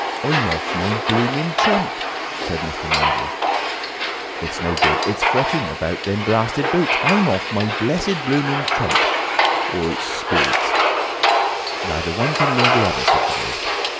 "I'm—off—my—blooming—chump," said Mr. Marvel. "It's no good. It's fretting about them blarsted boots. I'm off my blessed blooming chump. Or it's spirits." "Neither one thing nor the other," said the Voice.